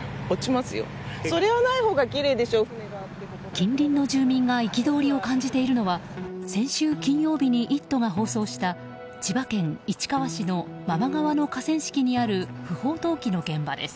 近隣の住民が憤りを感じているのは先週金曜日に「イット！」が放送した千葉県市川市の真間川の河川敷にある不法投棄の現場です。